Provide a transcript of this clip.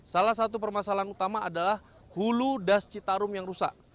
salah satu permasalahan utama adalah hulu das citarum yang rusak